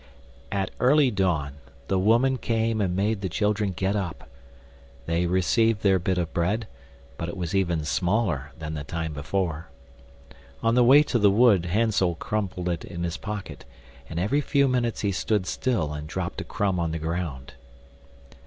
At early dawn the woman came and made the children get up. They received their bit of bread, but it was even smaller than the time before. On the way to the wood Hansel crumbled it in his pocket, and every few minutes he stood still and dropped a crumb on the ground.